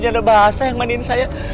janda basah yang mainin saya